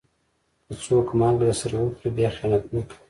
که څوک مالګه درسره وخوري، بیا خيانت نه کوي.